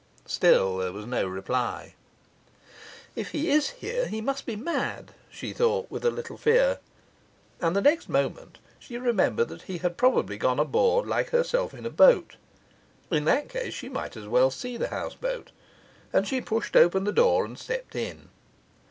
Still there was no reply. 'If he is here he must be mad,' she thought, with a little fear. And the next moment she remembered he had probably gone aboard like herself in a boat. In that case she might as well see the houseboat, and she pushed open the door and stepped in.